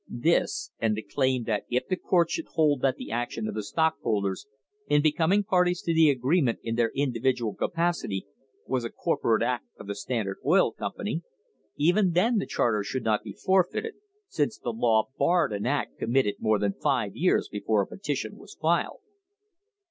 This, and the claim that if the court should hold that the action of the stockholders [ H4] THE BREAKING UP OF THE TRUST in becoming parties to the agreement in their individual capacity was a corporate act of the Standard Oil Company, even then the charter should not be forfeited, since the law barred an act committed more than five years before a peti tion was filed.